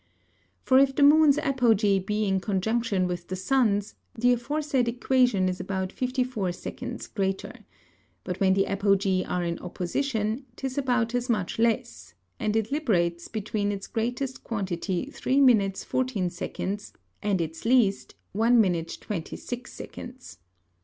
For if the Moon's Apogee be in Conjunction with the Sun's, the aforesaid Equation is about 54 seconds greater: But when the Apogees are in Opposition, 'tis about as much less; and it librates between its greatest Quantity 3 minutes, 14 seconds, and its least, 1 minute, 26 seconds.